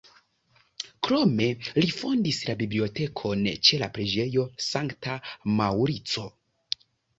Krome li fondis la bibliotekon ĉe la preĝejo Sankta Maŭrico.